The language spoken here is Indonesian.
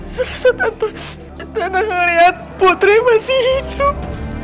selesai tante tante ngeliat putri masih hidup